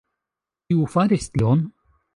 Kiu faris tion?